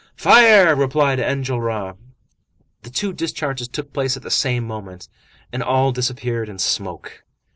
"Fire!" replied Enjolras. The two discharges took place at the same moment, and all disappeared in smoke.